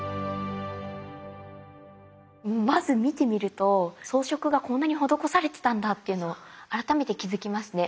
まず見てみると装飾がこんなに施されてたんだっていうのを改めて気付きますね。